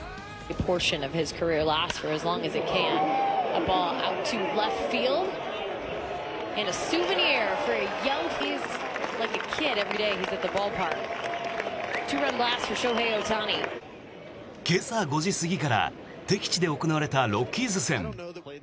今朝５時過ぎから敵地で行われたロッキーズ戦。